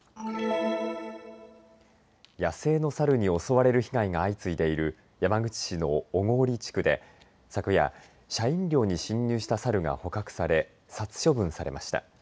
野生のサルに襲われる被害が相次いでいる山口市の小郡地区で昨夜、社員寮に侵入したサルが捕獲され殺処分されました。